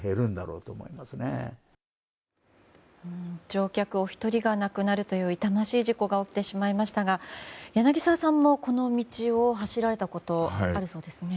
乗客お一人が亡くなるという、痛ましい事故が起きてしまいましたが柳澤さんも、この道を走られたことがあるそうですね。